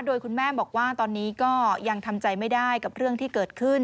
โดยคุณแม่บอกว่าตอนนี้ก็ยังทำใจไม่ได้กับเรื่องที่เกิดขึ้น